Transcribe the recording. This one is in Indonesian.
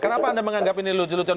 kenapa anda menganggap ini lucu lucu